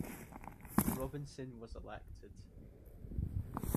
Robinson was elected.